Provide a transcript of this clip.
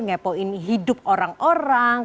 ngepoin hidup orang orang